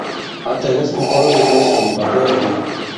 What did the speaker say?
Ǎ tɛ̀gɛs mabwalo mē masò nì ɓàbwɛɛ ɓē.